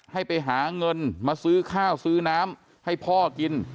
ให้ไปหาเงินมาซื้อข้าวซื้อน้ำให้พ่อกิน